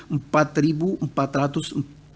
empat ribu empat ratus